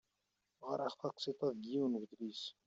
Ɣriɣ taqsiṭ-a deg yiwen udlis.